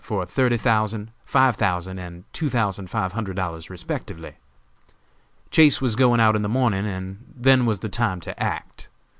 for thirty thousand, five thousand and two thousand five hundred dollars respectively. Chase was going out in the morning, and then was the time to act.